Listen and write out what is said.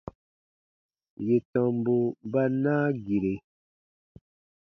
Yè tɔmbu ba naa gire.